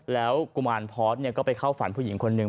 แล้วกุมารพอร์ตก็ไปเข้าฝันผู้หญิงคนหนึ่ง